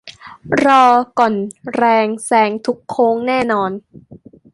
รอ ก่อน แรงแซงทุกโค้งแน่นอน